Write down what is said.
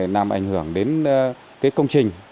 làm ảnh hưởng đến cái công trình